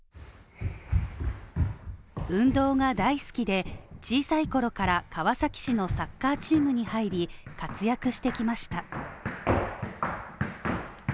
運動が大好きで、小さいころから川崎市のサッカーチームに入り、活躍してきました。